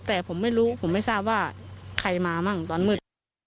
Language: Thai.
แต่ผมไม่รู้ผมไม่ทราบว่าใครมามั่งตอนมืด